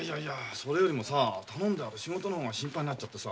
それよりもさ頼んである仕事の方が心配になっちゃってさ。